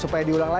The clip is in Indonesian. supaya penuh kita